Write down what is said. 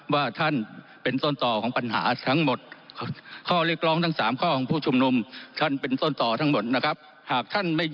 วันนี้ไม่เกิดขึ้นในประเทศไทย